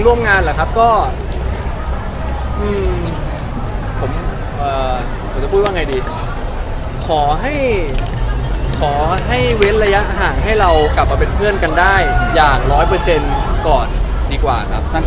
ก็ร่วมงานแบบที่เข้าไกลได้ไหมครับ